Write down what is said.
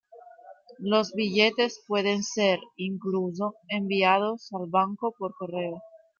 Los billetes pueden ser, incluso, enviados al banco por correo.